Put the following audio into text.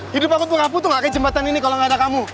hidup aku tuh gak putus gak kayak jembatan ini kalo gak ada kamu